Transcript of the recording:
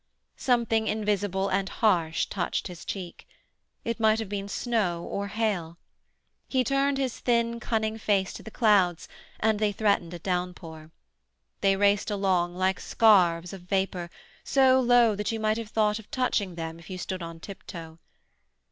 Something invisible and harsh touched his cheek. It might have been snow or hail. He turned his thin cunning face to the clouds, and they threatened a downpour. They raced along, like scarves of vapour, so low that you might have thought of touching them if you stood on tiptoe.